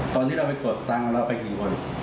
ตอนนี้เราไปกดตังค์เราไปกี่คน